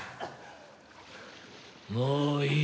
もういい。